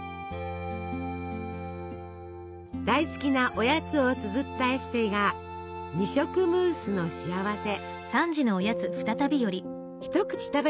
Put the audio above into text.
大好きなおやつをつづったエッセイが「二色ムースのしあわせ」。